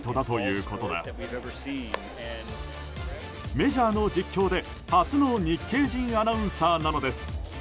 メジャーの実況で、初の日系人アナウンサーなのです。